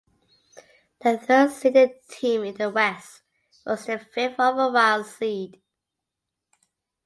The third seeded team in the West was the fifth overall seed.